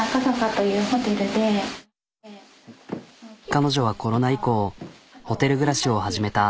彼女はコロナ以降ホテル暮らしを始めた。